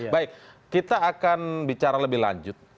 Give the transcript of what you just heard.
baik kita akan bicara lebih lanjut